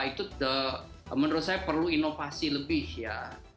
itu menurut saya perlu inovasi lebih ya